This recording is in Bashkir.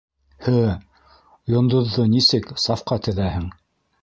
Һы... йондоҙҙо нисек... сафҡа теҙәһең?!